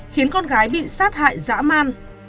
khiến con gái bị sát hại dã man